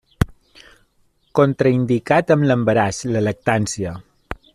Contraindicat amb l'embaràs, la lactància.